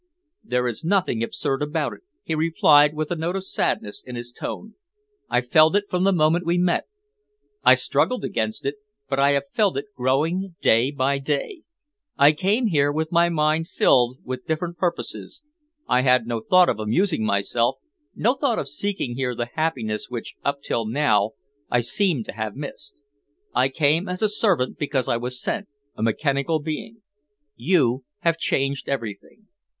"There is nothing absurd about it," he replied, with a note of sadness in his tone. "I felt it from the moment we met. I struggled against it, but I have felt it growing day by day. I came here with my mind filled with different purposes. I had no thought of amusing myself, no thought of seeking here the happiness which up till now I seem to have missed. I came as a servant because I was sent, a mechanical being. You have changed everything.